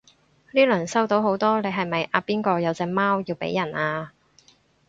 呢輪收到好多你係咪阿邊個有隻貓要俾人啊？